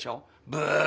ブー！